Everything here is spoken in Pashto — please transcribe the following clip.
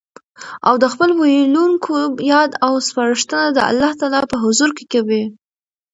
او د خپل ويلوونکي ياد او سپارښتنه د الله تعالی په حضور کي کوي